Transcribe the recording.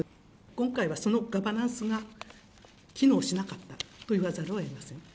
今回はそのガバナンスが機能しなかったと言わざるをえません。